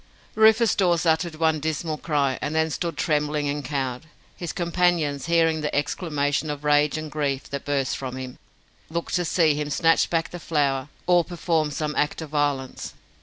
Rufus Dawes uttered one dismal cry, and then stood trembling and cowed. His companions, hearing the exclamation of rage and grief that burst from him, looked to see him snatch back the flower or perform some act of violence.